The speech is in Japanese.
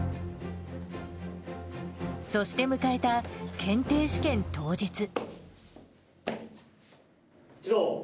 そして迎えた検定試験当日。